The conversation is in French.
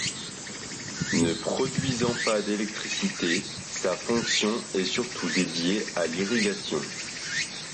Ne produisant pas d'électricité, sa fonction est surtout dédiée à l'irrigation.